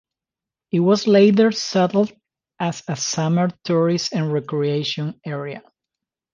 It was later settled as a summer tourist and recreation area.